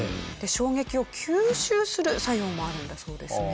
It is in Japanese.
衝撃を吸収する作用もあるんだそうですね。